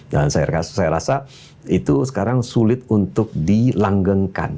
dan saya rasa itu sekarang sulit untuk dilanggengkan